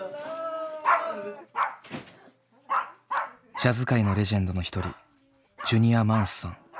ジャズ界のレジェンドの一人ジュニア・マンスさん。